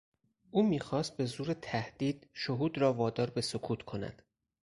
او میخواست به زور تهدید شهود را وادار به سکوت کند.